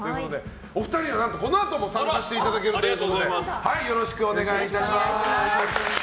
お二人には、何とこのあとも参加していただけるということでよろしくお願いいたします。